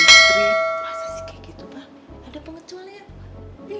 masa sih kayak gitu pa ada pengecualian